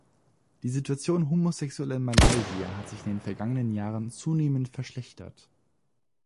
Die Situation Homosexueller in Malaysia hat sich in den vergangenen Jahren zunehmend verschlechtert.